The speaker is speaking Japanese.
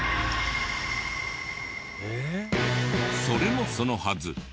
それもそのはず。